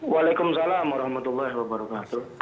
waalaikumsalam warahmatullahi wabarakatuh